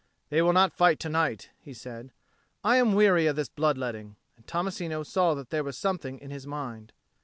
"They will not fight to night," he said. "I am weary of this blood letting." And Tommasino saw that there was something in his mind.